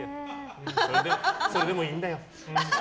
それでもいいんだよ。